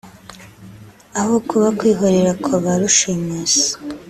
aho kuba kwihorera kwa ba rushimusi